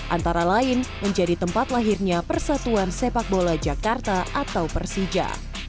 antara lain menjadi tempat lahirnya persatuan sepak bola jakarta atau persija